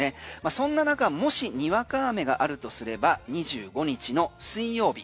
そんな中もしにわか雨があるとすれば２５日の水曜日。